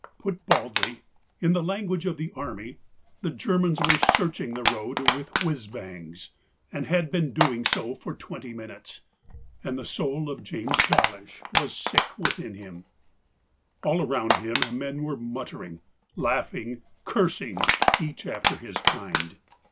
Put baldly — in the language of the army — the Germans were searching the road with whizz bangs, and had being doing so for twenty minutes. And the soul of James Dawlish was sick within him. All around him men were muttering, laughing, cursing, each after his kind.